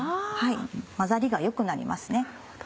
混ざりが良くなりますね。